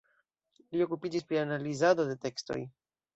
Li okupiĝis pri analizado de tekstoj.